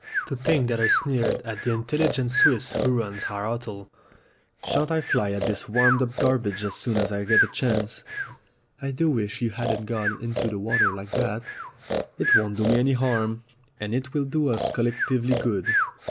To think that I sneered at the in telligent Swiss who runs our hotel. Shan't I fly at his warmed up garbages as soon as I get a chance !" "I do wish you hadn't gone into the water like that." "It won't do me any harm, and it will do us col lectively good.